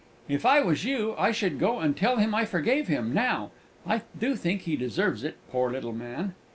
If I was you, I should go and tell him I forgave him, now. I do think he deserves it, poor little man!"